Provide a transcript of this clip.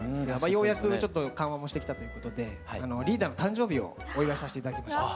ようやくちょっと緩和もしてきたということでリーダーの誕生日をお祝いさせて頂きました。